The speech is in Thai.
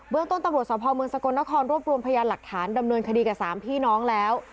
เรื่องต้นตำรวจสภเมืองสกลนครรวบรวมพยานหลักฐานดำเนินคดีกับ๓พี่น้องแล้ว